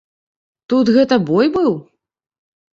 Тут гэта бой быў?